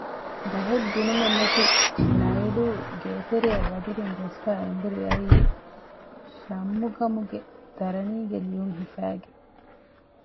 ބަހެއް ބުނުމެއް ނެތި ނައިޑޫ ގޭތެރެއަށް ވަދެގެން ގޮސްފައި އެނބުރި އައީ ޝައްމުގަމުގެ ދަރަނީގެ ލިޔުން ހިފައިގެން